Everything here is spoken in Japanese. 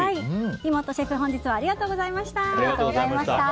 みもっとシェフ本日はありがとうございました。